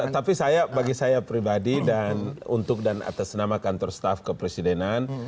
tapi bagi saya pribadi dan untuk dan atas nama kantor staff kepresidenan